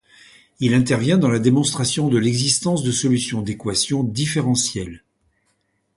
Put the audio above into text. Il intervient dans la démonstration de l'existence de solutions d'équations différentielles.